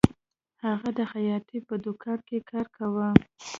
هغه د خیاطۍ په دکان کې کار کاوه